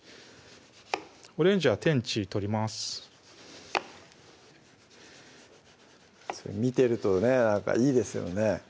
オレンジは天地取りますそれ見てるとねいいですよね